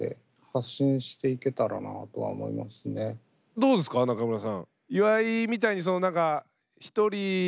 どうですか中村さん。